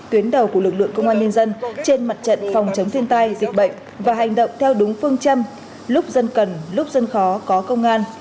tuyến đầu của lực lượng công an nhân dân trên mặt trận phòng chống thiên tai dịch bệnh và hành động theo đúng phương châm lúc dân cần lúc dân khó có công an